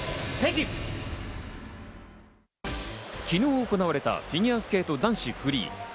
昨日、行われたフィギュアスケート男子フリー。